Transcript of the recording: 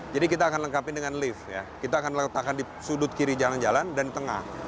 jadi kita akan lengkapi dengan lift kita akan letakkan di sudut kiri jalan jalan dan di tengah